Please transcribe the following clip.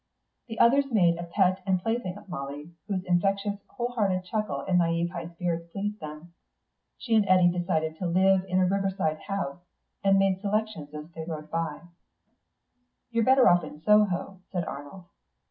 The others made a pet and plaything of Molly, whose infectious, whole hearted chuckle and naïve high spirits pleased them. She and Eddy decided to live in a river side house, and made selections as they rowed by. "You'd be better off in Soho," said Arnold.